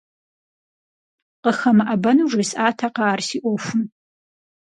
КъыхэмыӀэбэну жесӀатэкъэ ар си Ӏуэхум?